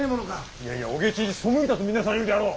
いやいやお下知に背いたと見なされるであろう。